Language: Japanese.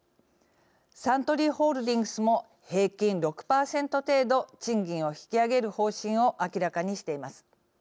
サントリーホールディングスも平均６％程度賃金を引き上げる方針を明らかにしています。